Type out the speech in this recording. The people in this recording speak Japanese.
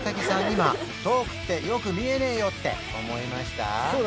今「遠くてよく見えねえよ」って思いました？